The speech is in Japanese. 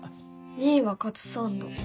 ２位はカツサンド。